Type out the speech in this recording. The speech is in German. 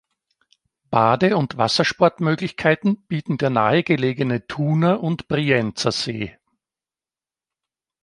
Bade- und Wassersportmöglichkeiten bieten der nahe gelegene Thuner- und Brienzersee.